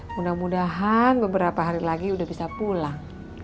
mudah mudahan beberapa hari lagi sudah bisa pulang